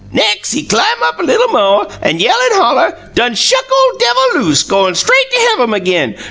Nex', he clim up little mo', an' yell an' holler: 'Done shuck ole devil loose; goin' straight to heavum agin!